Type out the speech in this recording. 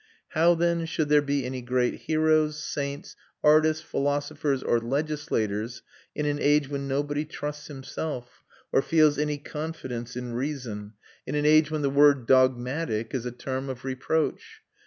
How, then, should there be any great heroes, saints, artists, philosophers, or legislators in an age when nobody trusts himself, or feels any confidence in reason, in an age when the word dogmatic is a term of reproach?